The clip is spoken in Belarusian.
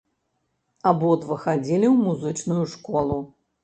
Абодва хадзілі ў музычную школу.